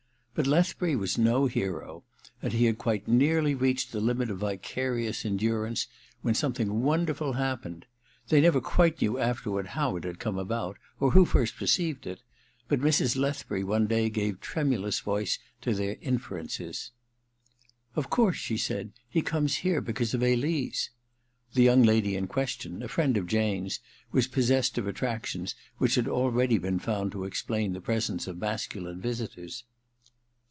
But Lethbury was no hero, and he had nearly reached the limit of vicarious endurance when something wonderful happened. They never quite knew afterward how it had come about, or who first perceived it ; but Mrs. Lethbury one day gave tremulous voice to their discovery. V THE MISSION OF JANE 185 •Of course/ she said, *he comes here be cause of Elise/ The young lady in question, a friend of Jane's, was possessed of attractions which had already been found to explain the presence of masculine visitors.